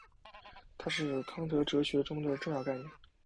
它是康德哲学中的重要概念。